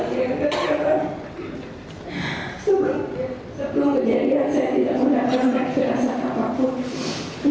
sebelum terjadi saya tidak mendapatkan perasaan apapun